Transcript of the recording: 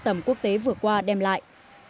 cơ sở hạ tầng quốc tế vừa qua đem lại